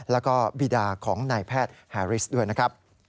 แล้วก็บีดาของนายแพทย์แฮริสด้วยนะครับ